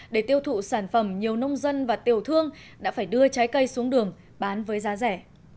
để tiêu thụ sản phẩm nhiều nông dân và tiểu thương đã phải đưa trái cây xuống đường bán với giá rẻ